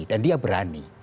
dan dia berani